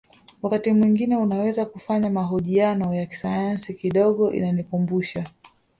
Wakati mwingine unaweza kufanya mahojiano ya kisayansi kidogo inanikumbusha